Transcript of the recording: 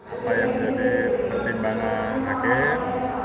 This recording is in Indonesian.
apa yang menjadi pertimbangan hakim